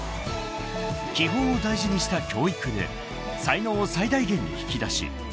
［基本を大事にした教育で才能を最大限に引き出し